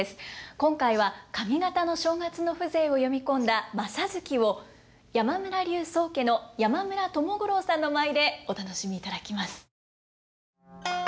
今回は上方の正月の風情を詠み込んだ「正月」を山村流宗家の山村友五郎さんの舞でお楽しみいただきます。